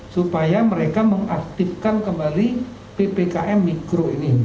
supaya mereka mengaktifkan kembali ppkm mikro ini